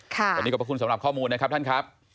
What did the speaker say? วันนี้ขอบพระคุณสำหรับข้อมูลนะครับท่านครับ